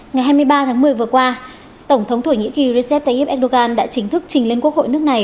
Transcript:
ngày hai mươi ba tháng một mươi vừa qua tổng thống thổ nhĩ kỳ recep tayyip erdogan đã chính thức trình lên quốc hội nước này